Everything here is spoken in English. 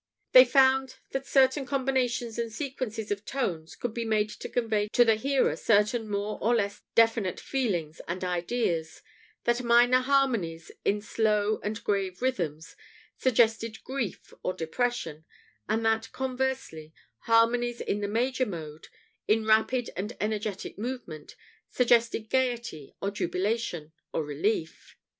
They found that certain combinations and sequences of tones could be made to convey to the hearer certain more or less definite feelings and ideas: that minor harmonies, in slow and grave rhythms, suggested grief or depression; and that, conversely, harmonies in the major mode, in rapid and energetic movement, suggested gaiety, or jubilation, or relief.